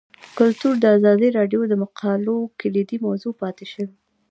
کلتور د ازادي راډیو د مقالو کلیدي موضوع پاتې شوی.